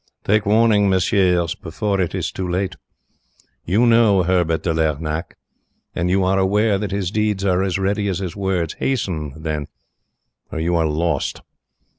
Take warning, messieurs, before it is too late! You know Herbert de Lernac, and you are aware that his deeds are as ready as his words. Hasten then, or you are lost!